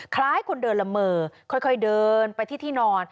คล้ายคนเดินละเมอค่อยเดินไปที่ที่นอน